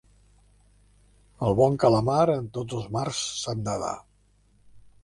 El bon calamar en tots els mars sap nedar.